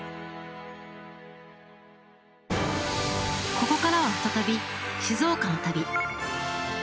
ここからは再び静岡の旅。